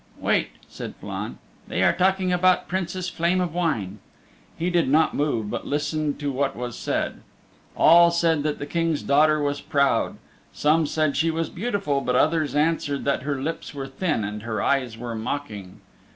"Wait," said Flann, "they are talking about Princess Flame of Wine." He did not move, but listened to what was said. All said that the King's daughter was proud. Some said she was beautiful, but others answered that her lips were thin, and her eyes were mocking.